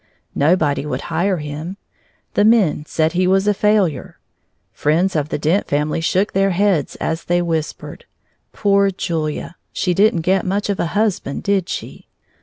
Nobody would hire him. The men said he was a failure. Friends of the Dent family shook their heads as they whispered: "Poor Julia, she didn't get much of a husband, did she?"